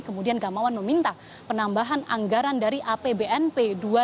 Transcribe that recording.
kemudian gamawan meminta penambahan anggaran dari apbnp dua ribu dua puluh